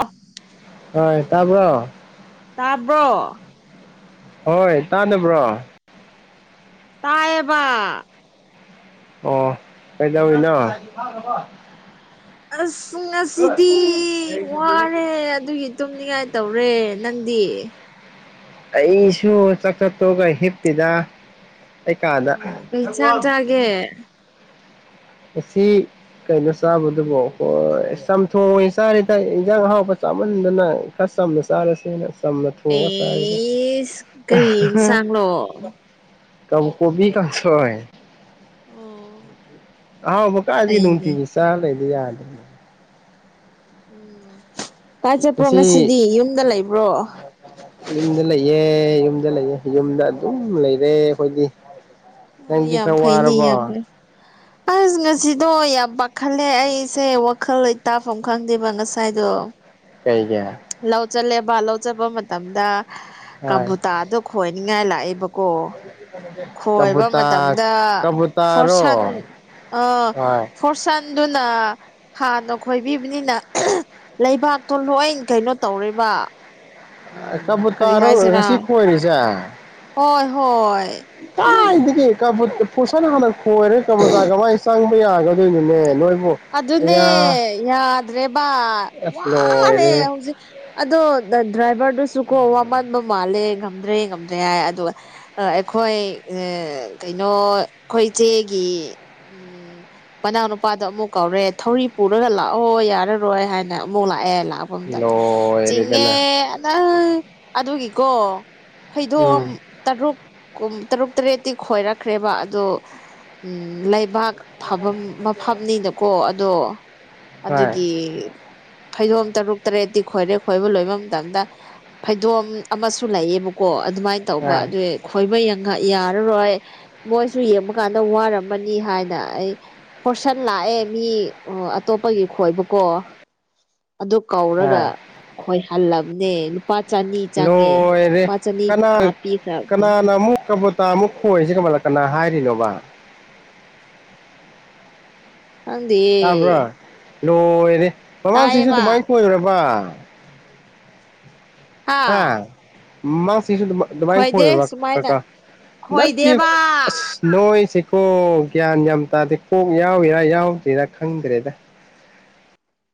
ꯑꯣ ꯍ ꯇꯥꯔꯕ ꯇꯥꯕ꯭ꯔꯣ ꯍꯣꯏ ꯇꯥꯕ꯭ꯔꯣ ꯇꯥꯏꯕ ꯑꯣ ꯀꯩꯗ ꯍꯏꯅ ꯑꯁ ꯉꯁꯤꯗꯤ ꯋꯥꯔꯦ ꯑꯗꯨꯒꯤ ꯇꯨꯝꯅꯤꯡꯉꯥꯏ ꯇꯧꯔꯦ ꯅꯪꯗꯤ ꯑꯩꯁꯨ ꯆꯥꯛ ꯆꯠꯇꯣꯛꯑꯒ ꯍꯤꯞꯄꯤꯦꯗ ꯀꯩꯀꯥꯗ ꯦ ꯑꯁꯤ ꯀꯩꯅꯣ ꯆꯥꯕꯗꯨꯕꯣ ꯍ ꯆꯝꯊꯣꯡꯉ ꯆꯥꯔꯤꯦꯗ ꯏꯟꯖꯥꯡ ꯍꯍꯥꯎꯕ ꯆꯥꯃꯟꯗꯅ ꯈꯔ ꯁꯝꯅ ꯆꯥꯔꯁꯦꯅ ꯆꯃ ꯊ ꯍꯣꯕ ꯁꯔꯗ ꯑꯦꯁ ꯀꯔꯤ ꯏꯟꯁꯥꯡꯂꯣ ꯀꯕꯨ ꯀꯣꯕꯤ ꯀꯪꯁ ꯑꯣ ꯍꯥꯎꯕ ꯀꯥ ꯑꯗꯨꯗꯤ ꯅ ꯐꯩꯅꯦ ꯎꯟꯇꯤꯁꯤ ꯆꯂ ꯏꯗꯤ ꯌꯥꯗ ꯎꯝ ꯇꯥꯏ ꯆꯠꯄ꯭ꯔꯣ ꯉꯁꯤ ꯉꯁꯤꯗꯤ ꯌꯨꯝꯗ ꯂꯩꯕ꯭ꯔꯣ ꯌꯨꯝꯗ ꯂꯩꯑ ꯌꯨꯝꯗ ꯂꯩꯑꯦ ꯌꯨꯝꯗ ꯑꯗꯨꯝ ꯂꯩꯔꯦ ꯑꯩꯈꯣꯏꯗꯤ ꯑꯣ ꯅꯪꯗꯤ ꯌꯥꯝ ꯈꯔ ꯐꯩꯅꯦ ꯋꯥꯔꯕꯣ ꯌꯥꯝ ꯐꯩ ꯑꯁ ꯉꯁꯤꯗꯣ ꯌꯥꯝ ꯄꯥꯈꯠꯂꯦ ꯑꯩꯁꯦ ꯋꯥꯈꯜ ꯂꯩꯇꯥꯐꯝ ꯈꯪꯗꯦꯕ ꯉꯁꯥꯏꯗꯣ ꯀꯩ ꯀ ꯂꯧ ꯆꯠꯂꯦꯕ ꯂꯧ ꯆꯠꯄ ꯃꯇꯝꯗ ꯍꯣꯏ ꯀꯝꯕꯨꯇꯥꯗꯣ ꯈꯣꯏꯅꯤꯡꯉꯥꯏ ꯂꯥꯛꯑꯦꯕꯀꯣ ꯈꯣꯏꯕ ꯀꯕꯨꯇꯥ ꯃꯇꯝꯗ ꯐꯣꯔꯁꯟ ꯀꯕꯨꯇꯥꯔꯣ ꯑꯥ ꯍꯣꯏ ꯍꯣꯔꯁꯟꯗꯨꯅ ꯍꯥꯟꯅ ꯈꯣꯏꯕꯤꯕꯅꯤꯅ ꯂꯩꯕꯥꯛꯇꯣ ꯂꯣꯏ ꯀꯩꯅꯣ ꯇꯧꯔꯦꯕ ꯇꯕꯨ ꯎꯝ ꯀꯔꯤ ꯇꯔꯔ ꯍꯥꯏꯁꯤꯔꯥ ꯉꯁꯤ ꯈꯣꯏꯔꯤꯁꯦ ꯍꯣꯏ ꯍꯣꯏ ꯀꯥ ꯏꯗꯤ ꯀꯦ ꯀ ꯄꯨ ꯄꯣꯠꯁꯅ ꯍꯥꯟꯅ ꯈꯣꯏꯔꯦ ꯀꯃꯣꯗꯥ ꯀꯃꯥꯏꯅ ꯆꯪꯕ ꯌꯥꯒꯗꯣꯏꯅꯣꯅꯦ ꯅꯣꯏꯕꯨ ꯑꯗꯨꯅꯦ ꯑꯌꯥ ꯌꯥꯗ꯭ꯔꯦꯕ ꯑꯁ ꯋꯥꯔꯦ ꯂꯣꯏꯔꯦ ꯍꯧꯖꯤꯛ ꯑꯗꯣ ꯗ꯭ꯔꯥꯏꯚꯔꯗꯨꯁꯨ ꯀꯣ ꯋꯥꯃꯟꯕ ꯃꯥꯜꯂꯦ ꯉꯝꯗ꯭ꯔꯦ ꯉꯝꯗ꯭ꯔꯦ ꯍꯥꯏ ꯑꯗꯨꯒ ꯑꯩꯈꯣꯏ ꯀꯩꯅꯣ ꯑꯩꯈꯣꯏ ꯏꯆꯦꯒꯤ ꯎꯝ ꯅꯥꯅ ꯄꯥꯗ ꯑꯃꯨꯛ ꯀꯧꯔꯦ ꯊꯧꯔꯤ ꯄꯨꯔꯒ ꯂꯥꯛꯑꯣ ꯌꯥꯔꯔꯣꯏ ꯍꯥꯏꯅ ꯑꯃꯨꯛ ꯂꯥꯛꯑꯦ ꯂꯥꯛ ꯄ ꯃꯇꯝꯗ ꯆꯤꯡꯉꯦ ꯂꯣꯏꯔꯦꯗꯅ ꯑꯅ ꯑꯗꯨꯒꯤꯀꯣ ꯐꯩꯗꯣ ꯎꯝ ꯇꯔꯨꯛ ꯇꯔꯨꯛ ꯇꯔꯦꯠꯇꯤ ꯈꯣꯏꯔꯛꯈ꯭ꯔꯦꯕ ꯑꯗꯣ ꯂꯩꯕꯥꯛ ꯊꯥꯐꯝ ꯃꯐꯝꯅꯤꯅꯀꯣ ꯑꯗꯣ ꯍꯣꯏ ꯑꯗꯨꯒꯤ ꯐꯩꯗꯣꯝ ꯇꯔꯨꯛ ꯇꯔꯦꯠꯇꯤ ꯈꯣꯏꯔꯦ ꯈꯣꯏꯕ ꯂꯣꯏꯕ ꯃꯇꯝꯗ ꯐꯩꯗꯣꯝ ꯑꯃꯁꯨ ꯂꯩꯌꯦꯕꯀꯣ ꯑꯗꯨꯃꯥꯏꯅ ꯇꯧꯕ ꯍꯣꯏ ꯑꯗꯨ ꯈꯣꯏꯕ ꯌꯥꯔꯔꯣꯏ ꯃꯣꯏꯁꯨ ꯌꯦꯡꯕ ꯀꯥꯟꯗ ꯋꯥꯔꯝꯃꯅꯤ ꯍꯥꯏꯅ ꯑꯩ ꯐꯣꯔꯁꯟ ꯂꯥꯛꯑꯦ ꯃꯤ ꯑꯇꯣꯞꯄꯒꯤ ꯈꯣꯏꯕꯀꯣ ꯑꯗꯨ ꯀꯧꯔꯒ ꯍꯣꯏ ꯈꯣꯏꯍꯜꯂꯕꯅꯦ ꯂꯨꯄꯥ ꯆꯅꯤ ꯆꯪꯉꯦ ꯂꯣꯏꯔꯦ ꯂꯨꯄꯥ ꯆꯅꯤ ꯀꯅꯥ ꯀꯥꯞꯄꯤꯈ꯭ꯔꯕ ꯀꯅꯥꯅ ꯑꯃꯨꯛ ꯀꯕꯣ ꯇꯥꯃꯨꯛ ꯈꯣꯏꯁꯤ [inaudible] ꯀꯃꯜꯂꯛꯀꯅꯥ ꯍꯥꯏꯔꯤꯅꯣꯕ ꯈꯪꯗꯦ ꯇꯥꯕ꯭ꯔꯥ ꯂꯣꯏꯔꯦ ꯃꯃꯥꯡꯁꯤꯁꯨ ꯇꯥꯏꯌꯦꯕ ꯑꯗꯨꯃꯥꯏꯅ ꯀꯣꯏꯔꯕ ꯍꯥ ꯃꯥꯃꯥꯡ ꯆꯤꯡꯁꯨ ꯑꯗꯨꯃꯥꯢ ꯑꯗꯨꯃꯥꯏꯅ ꯈꯣꯏꯗꯦ ꯈꯣꯏꯔꯕ ꯁꯨꯃꯥꯏꯅ ꯀꯀꯥ ꯅꯠꯇꯦ ꯈꯣꯏꯗꯦꯕ ꯑꯁ ꯅꯣꯏꯁꯤꯀꯣ ꯒ꯭ꯌꯥꯟ ꯌꯥꯝ ꯇꯥꯗꯦ ꯀꯣꯛ ꯌꯥꯎꯔꯤꯔꯥ ꯌꯥꯎꯗ꯭ꯔꯤꯔꯥ ꯈꯪꯗ꯭ꯔꯦꯗ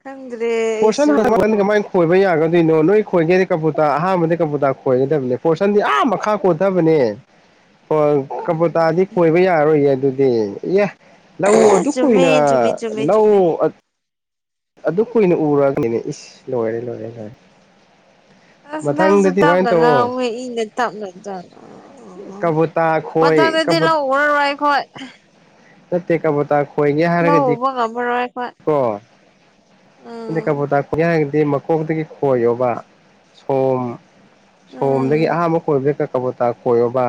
ꯈꯪꯗ꯭ꯔꯦ ꯐꯣꯔꯁꯟ ꯑꯩꯁꯨ ꯍꯟ ꯀꯃꯥꯏꯅ ꯈꯣꯏꯕ ꯌꯥꯒꯗꯣꯏꯅꯣ ꯅꯣꯏ ꯈꯣꯏꯒꯦꯗꯤ ꯀꯣꯕꯨꯨꯇꯥ ꯑꯍꯥꯟꯕꯗꯤ ꯀꯣꯕꯨꯨꯇꯥ ꯈꯣꯏꯒꯗꯕꯅꯦ ꯄꯣꯔꯁꯟꯗꯤ ꯑꯥ ꯃꯈꯥ ꯀꯣꯟꯊꯕꯅꯦ ꯍꯣꯏ ꯀꯝꯄꯨꯇꯥꯗꯤ ꯀꯣꯏꯕ ꯌꯥꯔꯣꯏꯌꯦ ꯑꯗꯨꯗꯤ ꯏ ꯂꯧ ꯑꯗꯨ ꯆꯨꯝꯃꯦ ꯀꯨꯏꯅ ꯆꯨꯝꯃꯦ ꯆꯨꯝꯃꯦ ꯆꯨꯝꯃꯦ ꯂꯧ ꯑꯗꯨ ꯀꯨꯏꯅ ꯎꯔꯒꯅꯤꯅꯦ ꯏꯁ ꯂꯣꯏꯔꯦ ꯂꯣꯏꯔꯦ ꯂꯣꯏꯔꯦ ꯑꯁ ꯅꯪꯁꯨ ꯃꯊꯪꯗꯗꯤ ꯑꯗꯨꯃꯥꯏꯅ ꯇꯞꯂꯅ ꯇꯧꯋꯣ ꯃꯣꯏ ꯏꯪꯗ ꯇꯞꯂꯗ꯭ꯔ ꯀꯕꯨꯇꯥ ꯄꯊꯗꯗꯤꯤ ꯂ ꯎꯒꯔ ꯋꯥꯏꯈꯣꯏ ꯆꯠꯇꯦ ꯀꯥꯕꯇꯥ ꯈꯣꯏꯒꯦ ꯂꯧ ꯍꯥꯏꯔꯒꯗꯤ ꯎꯕ ꯉꯝꯃꯔꯣꯏ ꯑꯩꯈꯣꯏ ꯀꯣ ꯑꯩꯅ ꯎꯝ ꯀꯕꯨ ꯇꯥꯛꯄꯤꯒꯦ ꯍꯥꯏꯔꯒꯗꯤ ꯃꯀꯣꯛꯇꯗꯒꯤ ꯈꯣꯏꯌꯣꯕ ꯁꯣꯝ ꯎꯝ ꯁꯣꯝꯗꯒꯤ ꯑꯍꯥꯝꯕ ꯀꯣꯏꯕꯗ ꯀ ꯀꯕꯇꯥ ꯀꯣꯏꯌꯣꯕ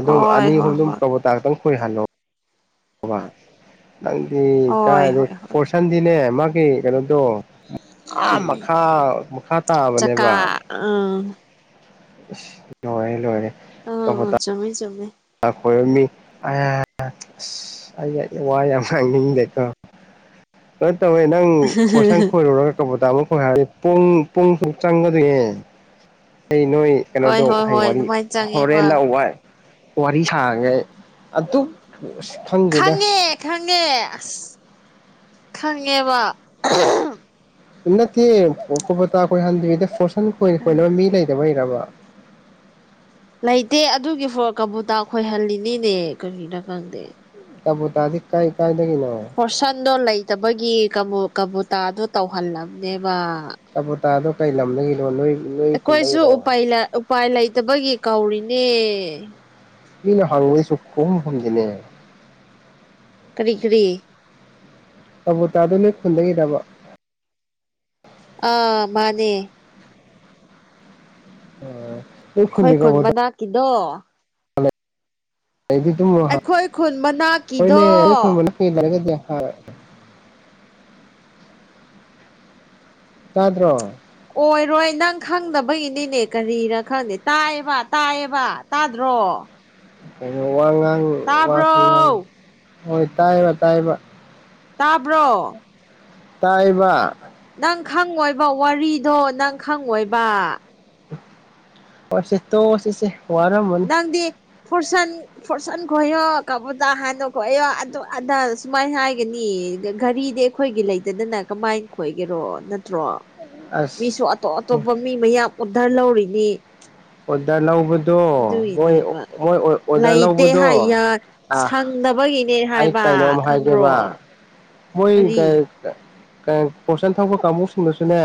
ꯑꯗꯨꯝ ꯍꯣꯏ ꯑꯅꯤ ꯑꯍꯨꯝ ꯍꯣꯏ ꯑꯗꯨꯝ ꯍꯣꯏ ꯄ꯭ꯔꯕꯇꯛꯇꯪ ꯀꯏꯍꯜꯂꯣ ꯅꯪꯗꯤ ꯀꯥꯏ ꯍꯣꯏ ꯍꯣꯏ ꯍꯣꯏ ꯐꯣꯔꯁꯟꯗꯤꯅꯦ ꯃꯥꯒꯤ ꯀꯩꯅꯣꯗꯣ ꯑꯥ ꯃꯈꯥ ꯃꯈꯥ ꯇꯥꯕꯅꯦꯕ ꯑꯥ ꯂꯣꯏꯔꯦ ꯂꯣꯏꯔꯦ ꯀꯣꯒꯣꯇ ꯆꯨꯝꯃꯦ ꯆꯨꯝꯃꯦ ꯈꯣꯏꯔꯝꯃꯤ ꯑ ꯑꯁ ꯑꯩ ꯋꯥ ꯌꯥꯝ ꯉꯥꯡꯅꯤꯡꯗꯦꯀꯣ ꯂꯣꯏ ꯇꯧꯋꯦ ꯅꯪ ꯐꯣꯔꯁꯥꯟ ꯈꯣꯏꯔꯨꯔꯒ ꯀꯕꯣꯇꯥ ꯑꯃ ꯈꯣꯏ ꯍꯥꯏꯔꯤ ꯄꯨꯡ ꯄꯨꯡ ꯃꯨꯛ ꯆꯪꯒꯗꯣꯏꯅꯦ ꯑꯩ ꯅꯣꯏ ꯍꯣꯏ ꯀꯩꯅꯣꯗꯣ ꯍꯣꯏ ꯍꯩ ꯍꯣꯏ ꯋꯥꯔꯤ ꯑꯗꯨꯃꯥꯏꯅ ꯍꯣꯔꯦꯟ ꯆꯪꯉꯦꯕ ꯂꯥꯛ ꯋꯥ ꯋꯥꯔꯤ ꯁꯥꯡꯒꯦ ꯑꯩ ꯑꯁ ꯈꯪꯗꯦꯗ ꯈꯪꯉꯦ ꯈꯪꯉꯦ ꯑꯁ ꯈꯪꯉꯦꯕ ꯅꯠꯇꯦ ꯀꯣꯒꯣꯇꯥ ꯀꯣꯏꯍꯟꯗꯔꯤꯗꯣꯐꯣꯔꯁꯟ ꯈꯣꯏ ꯈꯣꯏꯅꯕ ꯃꯤ ꯂꯩꯇꯕꯩꯔꯕ ꯂꯩꯇꯦ ꯑꯗꯨꯒꯤ ꯐ ꯀꯣꯕꯨꯇꯥ ꯈꯣꯏꯍꯜꯂꯤꯅꯤꯅꯦ ꯀꯒꯤꯅꯣ ꯈꯪꯗꯦ ꯀꯣꯒꯣꯗꯤ ꯀꯥꯏ ꯀꯥꯏꯗ ꯀꯤꯅꯣ ꯍꯣꯔꯁꯟꯗꯣ ꯂꯩꯇꯕꯒꯤ ꯀꯣꯒꯣꯇꯥꯗꯣ ꯇꯧꯍꯜꯂꯝꯕꯅꯦꯕ ꯀꯣꯒꯣꯇꯗꯣ ꯀꯩ ꯂꯝꯗꯒꯤ ꯅꯣꯢ ꯑꯩꯈꯣꯏꯁꯨ ꯎ ꯎꯄꯥꯏ ꯂꯩꯇꯕꯒꯤ ꯀꯧꯔꯤꯅꯦ ꯃꯤꯅ ꯍꯥꯡꯕꯩꯗꯤ ꯁꯨꯡꯈꯨꯝ ꯈꯨꯝꯗꯦꯅꯦ ꯀꯔꯤ ꯀꯔꯤ ꯀꯣꯒꯣꯇꯗꯣ ꯅꯣꯏ ꯈꯨꯟꯗꯩꯔꯕ ꯑꯥ ꯃꯥꯅꯦ ꯑꯣ ꯑꯈꯣꯏ ꯈꯨꯟ ꯃꯅꯥꯛꯀꯤꯗꯣ ꯑꯩꯗꯤ ꯑꯗꯨꯝꯃꯣ ꯑꯩꯈꯣꯏ ꯈꯨꯟ ꯍꯣꯏꯅꯦ ꯃꯅꯥꯛꯀꯤꯗꯣ ꯑꯩꯈꯣꯏ ꯃꯅ ꯀ ꯂꯩꯔꯒꯗꯤꯦ [inaudible] ꯇꯥꯗ꯭ꯔꯣ ꯑꯣꯏꯔꯣꯏ ꯅꯪ ꯈꯪꯗꯕꯒꯤꯅꯤꯅꯦ ꯀꯔꯤꯔ ꯈꯪꯗꯦ ꯇꯥꯏꯌꯦꯕ ꯇꯥꯏꯌꯦꯕ ꯇꯥꯗ꯭ꯔꯣ ꯀꯩꯅꯣ ꯋꯥ ꯉꯥꯡꯉꯤ ꯋꯥꯁꯨ ꯇꯥꯕ꯭ꯔꯣ ꯉꯥꯡꯉꯤ ꯍꯣꯏ ꯇꯥꯏꯕ ꯇꯥꯏꯕ ꯇꯥꯕ꯭ꯔꯣ ꯇꯥꯏꯕ ꯅꯪ ꯈꯪꯉꯣꯏꯕ ꯋꯥꯔꯤꯗꯣ ꯅꯪ ꯈꯪꯉꯣꯏꯕ ꯍꯣꯢꯁꯦ ꯇꯣꯛꯑꯁꯤ ꯋꯥꯔꯝꯃꯅꯤ ꯅꯪꯗꯤ ꯐꯨꯔꯁꯟ ꯐꯣꯔꯁꯟ ꯈꯣꯌꯣ ꯀꯣꯕꯨꯇꯥ ꯍꯥꯟꯅ ꯈꯣꯌꯣ ꯑꯗꯥ ꯁꯨꯃꯥꯏꯅ ꯍꯥꯏꯒꯅꯤ ꯒꯔꯤꯗꯤ ꯑꯩꯈꯣꯏꯒꯤ ꯂꯩꯇꯅꯅ ꯀꯃꯥꯏ ꯈꯣꯏꯒꯦꯔꯣ ꯅꯠꯇ꯭ꯔꯣ ꯑꯁ ꯃꯤꯁꯨ ꯑꯇꯣꯞ ꯑꯇꯣꯞꯄ ꯃꯤ ꯃꯌꯥꯝ ꯎꯟꯙꯔ ꯂꯨꯔꯤꯅꯤ ꯑꯣꯗꯔ ꯂꯧꯕ ꯗꯣꯏ ꯑꯗꯨꯒꯤꯅꯦꯕ ꯃꯣꯏ ꯑꯣꯗꯔ ꯂꯩꯇꯦ ꯂꯧꯕꯗꯣ ꯍꯥꯏꯌꯦ ꯁꯪꯗꯕꯒꯤꯅꯦ ꯑ ꯍꯥꯏꯕ ꯀꯩꯅꯣꯝ ꯍꯥꯏꯒꯦꯕ ꯈꯪꯕ꯭ꯔꯣ ꯃꯣꯏ ꯀꯔꯤ ꯄꯣꯠꯆꯟ ꯊꯄ ꯀꯥꯡꯕꯨꯁꯤꯡꯗꯨꯁꯨꯅꯦ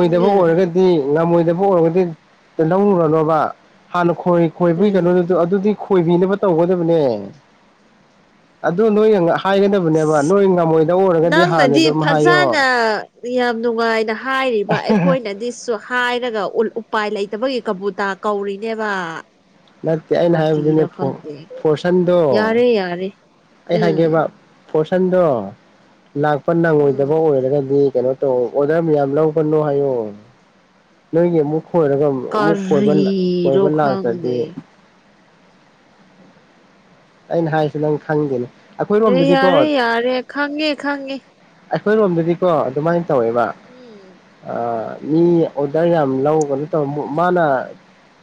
ꯎꯝ ꯑꯣꯏꯔꯒꯗꯤ ꯗꯤ ꯉꯝꯃꯣꯏꯗꯕ ꯑꯣꯏꯔꯒꯗꯤ ꯂꯧꯔꯨꯔꯅꯣꯕ ꯍꯥꯟꯅ ꯈꯣꯏ ꯈꯣꯏꯕꯒꯤ ꯎꯝ ꯀꯩꯅꯣꯗꯨ ꯑꯗꯨ ꯑꯗꯨꯗꯤ ꯈꯣꯏꯕꯤꯅꯕ ꯇꯧꯒꯗꯕꯅꯦ ꯑꯗꯨ ꯅꯣꯏ ꯍꯥꯏꯒꯗꯕꯅꯦꯕ ꯅꯣꯏ ꯉꯝꯃꯣꯏꯗ ꯑꯣꯏꯔꯒꯗꯤ ꯍꯥꯟꯅ ꯅꯪꯅꯗꯤ ꯑꯗꯨꯝ ꯐꯖꯅ ꯍꯥꯏꯌꯣ ꯌꯥꯝ ꯅꯨꯡꯉꯥꯏꯅ ꯍꯥꯏꯔꯤꯕ ꯑꯩꯈꯣꯏꯅꯗꯤ ꯍꯥꯏꯔꯒ ꯎꯄꯥꯏ ꯂꯩꯇꯕꯒꯤ ꯀꯕꯨꯇꯥ ꯀꯧꯔꯤꯅꯦꯕ ꯅꯠꯇꯦ ꯑꯩꯅ ꯍꯥꯏꯕꯗꯨꯅꯦ ꯀꯔꯤꯔ ꯈꯪꯗꯦ ꯐꯣꯔꯁꯟꯗꯣ ꯌꯥꯔꯦ ꯌꯥꯔꯦ ꯑꯩ ꯍꯥꯏꯒꯦꯕ ꯎꯝ ꯐꯣꯔꯁꯟꯗꯣ ꯂꯥꯛꯄ ꯅꯪꯉꯣꯏꯗꯕ ꯎꯝ ꯑꯣꯏꯔꯒꯗꯤ ꯀꯩꯅꯣ ꯑꯣꯗꯔ ꯃꯤꯌꯥꯝ ꯂ ꯄꯅꯣ ꯍꯥꯏꯌꯣ ꯅꯣꯏꯒꯤ ꯑꯃꯨꯛ ꯈꯣꯏꯔꯒ ꯑꯃꯨꯛꯣꯏꯕ ꯀꯔꯤꯔꯣ ꯀꯣꯏꯕ ꯂꯥꯛꯇ꯭ꯔꯗꯤ ꯈꯪꯗꯦ ꯑꯩꯅ ꯍꯥꯏꯁꯤ ꯅꯪ ꯈꯪꯗꯦꯅꯦ ꯑꯦ ꯌꯥꯔꯦ ꯑꯩꯈꯣꯏꯔꯣꯝꯗꯗꯤꯀꯣ ꯌꯥꯔꯦ ꯈꯪꯉꯦ ꯈꯪꯉꯦ ꯑꯩꯈꯣꯏꯔꯣꯝꯗꯗꯤꯀꯣ ꯑꯗꯨꯃꯥꯏꯅ ꯇꯧꯋꯦꯕ ꯎꯝ ꯃꯤ ꯑꯣꯗꯔ ꯌꯥꯝ ꯂꯧꯒꯅꯣ ꯇꯧ ꯃꯥꯅ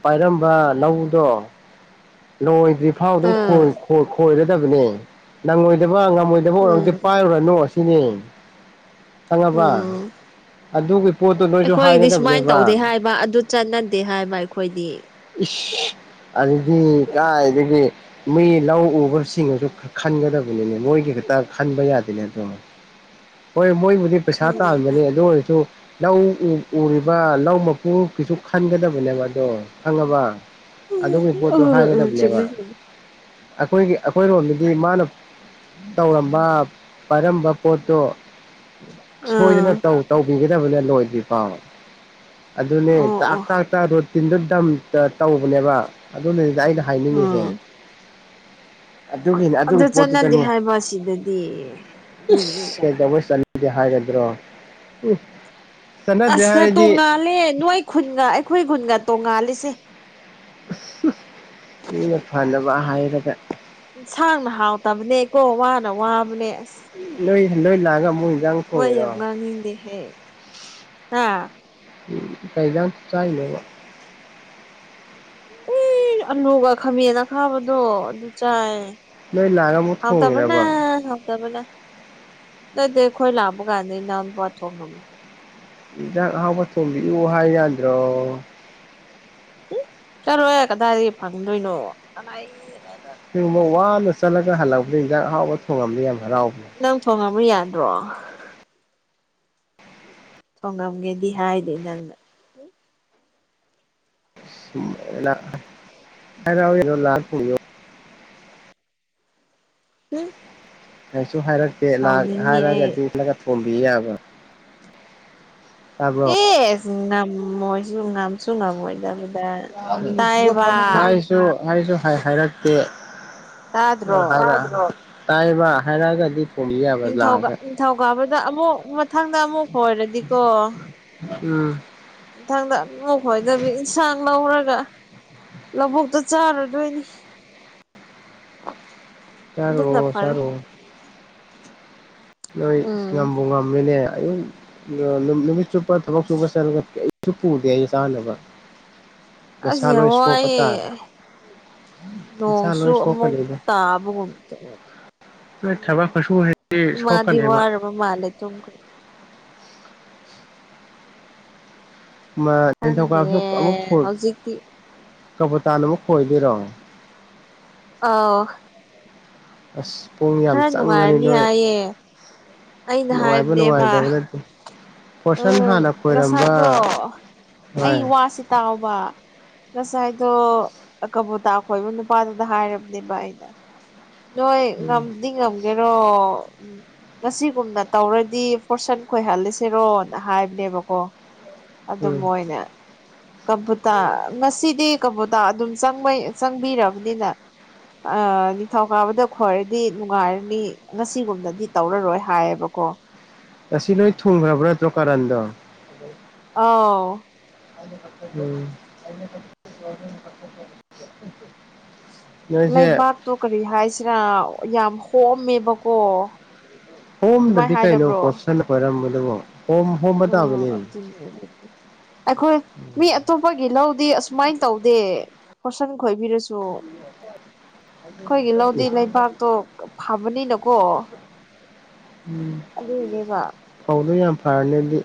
ꯄꯥꯏꯔꯝꯕ ꯂꯧꯗꯣ ꯂꯣꯏꯗ꯭ꯔꯤꯐꯥꯎ ꯑꯗꯨꯝ ꯈꯣꯏ ꯑꯥ ꯑꯣꯏꯣꯏꯔꯗꯕꯅꯦ ꯅꯪꯉꯣꯏꯗꯕ ꯉꯝꯃꯣꯏꯗꯕ ꯎꯝ ꯑꯣꯏꯔꯝꯛꯇꯗꯤ ꯄꯥꯏꯔꯨꯔꯅꯨ ꯆꯅꯤ ꯊꯉꯕ ꯎꯝ ꯑꯗꯨꯒꯤ ꯄꯣꯠꯇꯨ ꯅꯣꯏꯁꯨ ꯑꯩꯈꯣꯏꯒꯤꯗꯤ ꯁꯨꯃꯥꯏꯅ ꯍꯥꯏꯒꯗꯕꯅꯦꯕ ꯇꯧꯗꯦ ꯍꯥꯏꯕ ꯑꯗꯨ ꯆꯠꯅꯗꯦ ꯍꯥꯏꯕ ꯑꯩꯈꯣꯏꯗꯤ ꯑꯗꯨꯗꯤ ꯀꯥꯏꯗꯒꯤ ꯃꯤ ꯂꯧ ꯎꯕꯁꯤꯡꯁꯨ ꯈꯟꯒꯗꯕꯅꯤꯅꯦ ꯃꯣꯏꯒꯤ ꯈꯛꯇ ꯈꯟꯕ ꯌꯥꯗꯦꯅꯦ ꯑꯗꯨꯣ ꯍꯣꯏ ꯃꯣꯏꯕꯨꯗꯤ ꯄꯩꯁꯥ ꯈꯪꯗꯦ ꯇꯥꯟꯕꯅꯤ ꯈꯪꯗꯦ ꯑꯗꯨ ꯑꯣꯏꯔꯁꯨ ꯂꯧ ꯎꯔꯤꯕ ꯂꯧ ꯃꯄꯨ ꯀꯩꯁꯨ ꯈꯟꯒꯗꯕꯅꯦꯕ ꯑꯗꯣ ꯈꯪꯉꯕ ꯑꯗꯨꯒꯤ ꯄꯣꯠꯇꯣ ꯍꯥꯏꯒꯗꯕꯅꯦꯕ ꯆꯨꯝꯃꯦ ꯆꯨꯝꯃꯦ ꯑꯩꯈꯣꯏꯒꯤ ꯑꯩꯈꯣꯏꯔꯣꯝꯗꯗꯤ ꯃꯥꯅ ꯇꯧꯔꯝꯕ ꯄꯥꯏꯔꯝꯕ ꯄꯣꯠꯇꯣ ꯑꯥ ꯁꯣꯏꯗꯅꯧ ꯇꯧꯕꯤꯒꯗꯕꯅꯤ ꯂꯣꯏꯗ꯭ꯔꯤ ꯐꯥꯎ ꯑꯗꯨꯅꯦ ꯑꯣ ꯇꯥꯛ ꯑꯣ ꯇꯥꯛ ꯇ ꯔꯣꯇꯤꯟꯗꯣ ꯗꯝ ꯇꯧꯕꯅꯦꯕ ꯑꯗꯨꯅꯗꯨꯗ ꯑꯩꯅ ꯍꯥꯏꯅꯤꯡꯉꯤꯁꯦ ꯎꯝ ꯑꯗꯨꯒꯤꯅꯦ ꯑꯗꯨꯒꯤ ꯑꯗꯨ ꯆꯠꯅꯗꯦ ꯄꯣꯠꯇꯨꯗꯅꯦ ꯍꯥꯏꯕ ꯑꯁꯤꯗꯗꯤ ꯑꯗꯨꯨꯏꯉꯩꯗ ꯃꯣꯏ ꯆꯠꯅꯤꯡꯗꯦ ꯍꯥꯏꯒꯗ꯭ꯔꯣ ꯎ ꯑꯁꯅ ꯇꯣꯡꯉꯥꯜꯂꯦ ꯅꯣꯏ ꯈꯨꯟꯒ ꯑꯩꯈꯣꯏ ꯈꯨꯟꯒ ꯇꯣꯡꯉꯥꯜꯂꯤꯁꯦ ꯃꯤꯅ ꯐꯅꯕ ꯍꯥꯏꯔꯒ ꯌꯦꯟꯁꯥꯡꯅ ꯍꯥꯎꯇꯕꯅꯦ ꯀꯣ ꯋꯥꯅ ꯋꯥꯕꯅꯦ ꯑꯁ ꯂꯣꯏ ꯂꯣꯏ ꯂꯥꯛꯑꯒ ꯃꯨꯣꯏ ꯃꯣꯏ ꯌꯥꯝꯒꯅꯤꯗꯦ ꯍꯦ ꯑ ꯎꯝ ꯀꯩꯖꯥꯟꯁꯨ ꯆꯥꯏꯅꯦꯕ ꯑꯂꯨꯒ ꯈꯥꯝꯃꯦꯅ ꯈꯥꯕꯗꯣ ꯑꯗꯨ ꯆꯥꯏ ꯅꯣꯏ ꯂꯥꯛꯑꯒ ꯑꯃꯨꯛ ꯍꯥꯎ ꯇꯕꯅ ꯊꯣꯡꯉꯤꯔꯕ ꯍꯥꯎꯇꯕꯅ ꯊꯌ ꯇꯕꯅ ꯅꯗꯤꯈꯣꯏ ꯂꯥꯛꯕ ꯀꯥꯟꯗ ꯏ ꯄ ꯊꯣꯡ ꯉꯃꯤ ꯌꯦꯟꯖꯥꯡ ꯑꯍꯥꯎꯕ ꯊꯣꯕꯤꯎ ꯍꯥꯏ ꯌꯥꯗ꯭ꯔꯣ ꯆꯠꯔꯣꯍꯦ ꯀꯗꯥꯏꯗꯒꯤ ꯐꯪꯗꯣꯏꯅꯣ ꯑ ꯁꯤꯒꯨꯝꯕ ꯋꯥꯅ ꯆꯠꯂꯒ ꯍꯜꯂꯛꯄꯗ ꯍꯤꯟꯖꯥꯡ ꯍꯔꯥꯎꯕ ꯊꯣꯡꯉꯝꯗ ꯌꯥꯝ ꯍꯔꯥꯎꯕ꯭ꯔ ꯅꯪ ꯊꯣꯡꯉꯕ ꯌꯥꯗ꯭ꯔꯣ ꯊꯣꯡꯉꯝꯒꯦꯗꯤ ꯍꯥꯏꯗꯦ ꯅꯪꯅ [unintelligible] ꯎꯝ ꯀꯁꯨ ꯍꯥꯏꯔꯛꯇꯦ ꯍꯥꯏꯔꯒꯗꯤꯂꯒ ꯊꯣꯕꯤ ꯌꯥꯕ꯭ꯔ ꯑꯦ ꯉ ꯃꯣꯏꯁꯨ ꯅꯝꯁꯨ ꯉ ꯃꯣꯏꯗ ꯇꯥꯏꯕ ꯁꯨ ꯍꯥꯏꯁꯨ ꯍꯥꯏꯔꯛꯇꯦ ꯑ ꯇꯥꯗ꯭ꯔꯣ ꯍꯥꯏꯔꯛ ꯇꯥꯏꯕ ꯍꯥꯏꯔꯒꯗꯤ ꯅꯤꯡꯊꯧ ꯅꯤꯡꯊꯧꯀꯥꯕꯗ ꯑꯃꯨꯛ ꯃꯊꯪꯗ ꯑꯃꯨꯛ ꯍꯔꯗꯤꯀꯣ ꯎꯝ ꯏꯊꯪꯗ ꯅꯣꯛꯈꯣꯏꯗꯕꯤ ꯏꯟꯁꯥꯡ ꯂꯧꯔꯒ ꯂꯧꯕꯨꯛꯇ ꯆꯥꯔꯨꯗꯣꯏꯅꯤ ꯆꯔ ꯑꯗꯨꯅ ꯐꯔꯦ ꯁꯔꯨ ꯅꯣꯏ ꯁꯤ ꯎꯝ ꯌꯥꯝ ꯕꯉꯝꯃꯤꯅꯦ ꯑꯌꯨꯛ ꯅꯨꯃꯤꯠ ꯆꯨꯞꯄ ꯊꯕꯛ ꯆꯨꯕ ꯆꯠꯂꯒ ꯑꯩ ꯆꯨꯞꯄ ꯎꯗꯦ ꯑꯩ ꯆꯥꯅꯕ ꯅꯁꯥ ꯑꯁꯤꯁꯦ ꯂꯣꯏ ꯁꯣꯛꯄ ꯋꯥꯌꯦ ꯇꯥꯔꯦ ꯅꯁꯥ ꯅꯣꯡꯁꯨ ꯂꯣꯏ ꯑꯃꯨꯛ ꯁꯣꯛꯀꯅꯤꯗ ꯇꯥꯕꯒꯨꯝꯗ ꯅꯣꯏ ꯎꯝ ꯊꯕꯛ ꯈꯨꯁꯨꯁꯤꯗꯤ ꯏ ꯃꯥꯗꯤ ꯁꯣꯛꯀꯅꯦꯕ ꯋꯥꯔ ꯃꯥꯂꯦ ꯇ ꯈꯪꯗꯦ ꯅꯤꯡꯊꯧꯀꯥꯕꯁꯨ ꯑꯃꯨꯛ ꯍꯧꯖꯤꯛꯇꯤ ꯀꯄꯇꯥꯟ ꯑꯃꯨꯛ ꯈꯣꯏꯕꯤꯔꯣ ꯑ [unintelligible] ꯑꯁ ꯄꯨꯡ ꯌꯥꯝ ꯆꯪꯒꯅꯤ ꯅꯨꯡꯉꯥꯏꯔꯅꯤ ꯅꯣꯏ ꯍꯥꯏꯌꯦ ꯑꯩꯅ ꯅꯨꯡꯉꯥꯏꯕ ꯍꯥꯏꯕꯅꯦꯕ ꯅꯨꯡꯉꯥꯏꯇꯕ ꯅꯠꯇꯦ ꯄꯣꯔꯁꯟ ꯎꯝ ꯍꯥꯟꯅ ꯈꯣꯏꯔꯝꯕ ꯅꯁꯥꯗꯣ ꯑꯩ ꯍꯣꯏ ꯋꯥꯁꯤ ꯇꯥꯎꯕ ꯉꯁꯥꯏꯗꯣ ꯀꯕꯨꯣꯇꯥ ꯈꯣꯏꯕ ꯅꯨꯄꯥꯗꯨꯗ ꯍꯥꯏꯔꯕꯅꯦꯕ ꯑꯩꯅ ꯅꯣꯏ ꯎꯝ ꯉꯝꯗꯤ ꯉꯝ ꯦꯔꯣ ꯎꯝ ꯉꯁꯤꯒꯨꯝꯅ ꯇꯧꯔꯗꯤ ꯐꯣꯔꯁꯟ ꯈꯣꯏꯍꯜꯂꯤꯁꯤꯔꯣ ꯍꯥꯏꯕꯅꯦꯕꯀꯣ ꯎꯝ ꯑꯗꯨꯝꯕꯣꯏ ꯑꯣꯏꯅ ꯀꯕꯨꯇꯥ ꯉꯁꯤꯗꯤ ꯀꯕꯨꯇꯥ ꯑꯗꯨꯝꯪ ꯆꯪꯕꯤꯔꯕꯅꯤꯅ ꯅꯤꯡꯊꯧ ꯀꯥꯕꯗ ꯈ꯭ꯋꯥꯏꯔꯗꯤ ꯅꯨꯡꯉꯥꯏꯔꯅꯤ ꯉꯁꯤꯒꯨꯝꯅꯗꯤ ꯇꯧꯔꯔꯣꯏ ꯍꯥꯏꯌꯦꯕꯀꯣ ꯉꯁꯤ ꯂꯣꯏ ꯊꯨꯡꯈ꯭ꯔꯕ꯭ꯔ ꯅꯠꯇ꯭ꯔꯣ ꯀꯔꯟꯗꯣ ꯑ [unintelligible] ꯅꯣꯏꯁꯦ ꯂꯩꯕꯥꯛꯇꯣ ꯀꯔꯤ ꯍꯥꯏꯁꯤꯔꯥ ꯌꯥꯝ ꯍꯣꯑꯝꯃꯦꯕꯀꯣ ꯍꯣꯝꯗꯗꯤ ꯀꯩꯅꯣ ꯄꯣꯠꯁꯟꯅ ꯑꯣꯏꯔꯝꯕꯗꯨꯕꯨ ꯍꯣꯝ ꯑ ꯍꯣꯝꯕ ꯇꯥꯕꯅꯦ ꯑꯩꯈꯣꯏ ꯃꯤ ꯑꯇꯣꯞꯄꯒꯤ ꯂꯧꯗꯤ ꯑꯁꯨꯃꯥꯏꯅ ꯇꯧꯗꯦ ꯍꯣꯔꯁꯟ ꯈꯣꯏꯕꯤꯔꯁꯨ ꯑꯩꯈꯣꯏꯒꯤ ꯑꯦ ꯂꯧꯗꯤ ꯂꯩꯕꯥꯛꯇꯣ ꯐꯕꯅꯤꯅꯀꯣ ꯎꯝ ꯑꯗꯨꯏꯅꯦꯕ ꯐꯧꯗꯣ ꯌꯥꯝ ꯐꯔꯅꯦꯗꯤ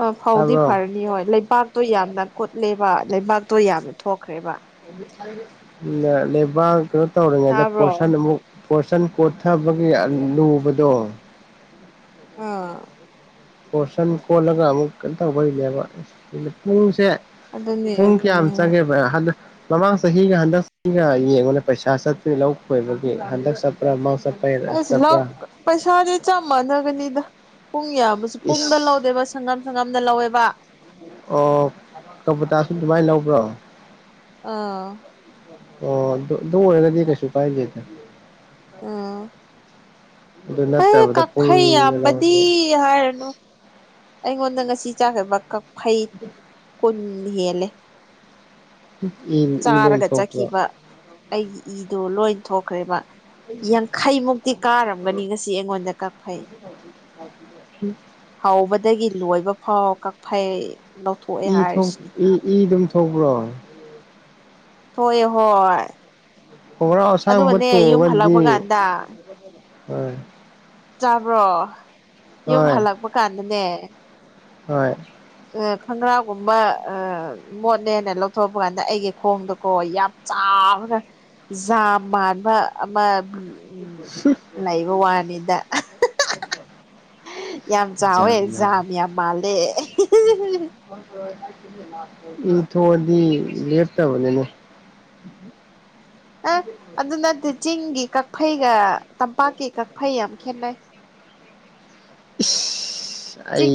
ꯑꯥ ꯐꯧꯗꯤ ꯇꯥꯕ꯭ꯔꯣ ꯐꯔꯅꯤ ꯍꯣꯏ ꯂꯩꯕꯥꯛꯇꯣ ꯌꯥꯝꯅ ꯀꯨꯠꯂꯦꯕ ꯂꯩꯕꯥꯛꯇꯣ ꯌꯥꯝꯅ ꯊꯣꯛꯈ꯭ꯔꯦꯕ ꯂꯩꯦꯕꯥꯛ ꯀꯩꯅꯣ ꯇꯧꯔꯤꯉꯩꯗ ꯇꯥꯕ꯭ꯔꯣ ꯄꯣꯔꯁꯟ ꯑꯃꯨꯛ ꯀꯁꯟ ꯀꯣꯊꯕꯒꯤ ꯂꯨꯕꯗꯣ ꯑꯥ ꯄꯣꯔꯁꯟ ꯀꯣꯜꯂꯒ ꯑꯃꯨꯛ ꯀꯩꯅꯣ ꯇꯧꯕꯩꯅꯦꯕ ꯄꯨꯡꯁꯦ ꯑꯗꯨꯅꯦ ꯄꯨꯡ ꯀꯌꯥ ꯑꯗꯨꯅꯦ ꯆꯪꯒꯦꯕ ꯍꯜ ꯃꯃꯥꯡ ꯆꯍꯤꯒ ꯍꯟꯗꯛ ꯆꯍꯤꯒ ꯌꯦꯡꯕꯅ ꯄꯩꯁꯥ ꯆꯠꯇꯔꯤ ꯂꯧ ꯀꯣꯏꯕꯒꯤ ꯍꯟꯗꯛ ꯆꯠ ꯭ꯔꯃꯁ ꯄ ꯑꯩꯁ ꯂꯧ ꯄꯩꯁꯥꯥꯗꯤ ꯆꯞ ꯃꯥꯟꯅꯒꯅꯤꯗ ꯄꯨꯡ ꯌꯥꯝꯕꯁꯨ ꯄꯨꯡꯗ ꯏꯁ ꯂꯧꯗꯦꯕꯁꯦ ꯁꯪꯒꯝ ꯁꯪꯒꯝꯗ ꯂꯧꯋꯦꯕ ꯑꯣ ꯀꯕꯣꯇꯥꯁꯨ ꯑꯗꯨꯃꯥꯏ ꯂꯧꯕ꯭ꯔꯣ ꯑꯥ ꯑꯣ ꯗꯣ ꯑꯗꯨ ꯑꯣꯏꯔꯒꯗꯤ ꯀꯩꯁꯨ ꯀꯥꯏꯗꯦꯗ ꯑꯥ ꯑꯗꯨ ꯑꯦ ꯅꯠꯇꯕꯗ ꯀꯛꯐꯩ ꯄꯨꯡ ꯌꯥꯝꯕꯗꯤ ꯀꯩꯅꯣꯗꯤ ꯍꯥꯏꯔꯅꯨ ꯑꯩꯉꯣꯟꯗ ꯉꯁꯤ ꯆꯥꯒ꯭ꯔꯕ ꯀꯛꯐꯩ ꯀꯨꯟ ꯍꯦꯜꯂꯦ ꯎꯝ ꯆꯥꯔꯒ ꯆꯠꯈꯤꯕ ꯑꯩꯒꯤ ꯏꯗꯨ ꯂꯣꯏ ꯊꯣꯛꯈ꯭ꯔꯦꯕ ꯌꯥꯡꯈꯩꯃꯨꯛꯇꯤ ꯀꯥꯔꯝꯒꯅꯤ ꯉꯁꯤ ꯑꯩꯉꯣꯟꯗ ꯀꯛꯐꯩ [inaudible] ꯍꯧꯕꯗꯒꯤ ꯂꯣꯏꯕ ꯐꯥꯎ ꯀꯛꯐꯩ ꯂꯧꯊꯣꯛꯑꯦ ꯏ ꯍꯥꯏꯔꯤꯁꯤꯅꯤ ꯏ ꯏ ꯑꯗꯨꯝ ꯊꯧꯕ꯭ꯔꯣ ꯊꯣꯏꯑ ꯍꯣꯏ ꯑꯣꯒꯔꯥ ꯑꯁꯥꯡꯕ ꯑꯗꯨꯒꯅꯦ ꯌꯨꯝ ꯇꯣꯡꯒꯗꯤ ꯍꯜꯂꯛꯄ ꯀꯥꯟꯗ ꯍ ꯆꯥꯕ꯭ꯔꯣ ꯌꯨꯝ ꯍꯣꯏ ꯍꯜꯂꯛꯄ ꯀꯥꯟꯗꯅꯦ ꯍꯣꯏ ꯑ ꯈꯪꯒ꯭ꯔꯥꯒꯨꯝꯕ ꯑ ꯃꯣꯠꯅꯦꯅ ꯂꯧꯊꯣꯔꯛꯄ ꯀꯥꯟꯗ ꯑꯩꯒꯤ ꯈꯣꯡꯗꯣꯀꯣ ꯌꯥꯝ ꯆꯥꯔꯒ ꯖꯥ ꯃꯥꯟꯕ ꯑꯃ ꯂꯩꯕ ꯋꯥꯅꯤꯗ ꯍꯨꯝ ꯌꯥꯝ ꯆꯥꯎꯋꯦ ꯖꯥꯝ ꯌꯥꯝ ꯃꯥꯜꯂꯦ ꯏ ꯊꯣꯛꯑꯗꯤ ꯂꯦꯞꯇꯕꯅꯤꯅꯦ [inaudible] ꯑꯦ ꯑꯗꯨ ꯅꯠꯇꯦ ꯆꯤꯡꯒꯤ ꯀꯛꯐꯩꯒ ꯇꯝꯄꯥꯛꯀꯤ ꯀꯛꯐꯩ ꯌꯥꯝ ꯈꯦꯠꯅꯩ ꯏꯁ ꯑꯩ ꯆꯤꯡ